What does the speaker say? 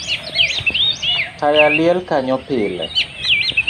Taya liel kanyo pile